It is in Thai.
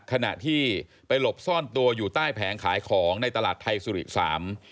ขณะที่ไปหลบซ่อนตัวอยู่ใต้แผงขายของในตลาดไทยสุริสาม